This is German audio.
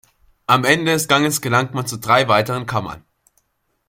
Am Ende des Ganges gelangt man zu drei weiteren Kammern.